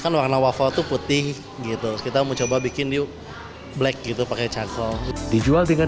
kan warna waffle itu putih gitu kita mau coba bikin yuk black gitu pakai carkol dijual dengan